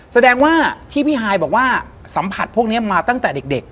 แสดงว่าที่พี่ฮายบอกว่าสัมผัสพวกนี้มาตั้งแต่เด็ก